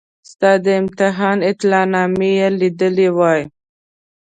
ستا د امتحان اطلاع نامه یې لیدلې وای.